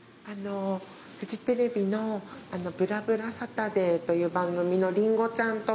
フジテレビの『ぶらぶらサタデー』という番組のりんごちゃんと申します。